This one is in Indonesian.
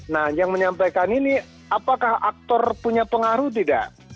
nah yang menyampaikan ini apakah aktor punya pengaruh tidak